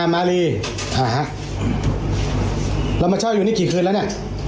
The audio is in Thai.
มาศาลอย่างมีกี่เดือนแล้วนะ